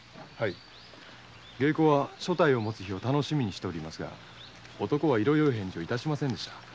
芸妓は所帯を持つ日を楽しみにしておりますが男は色よい返事を致しませんでした。